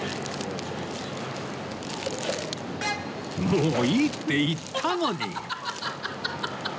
もういいって言ったのに